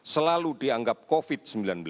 selalu dianggap covid sembilan belas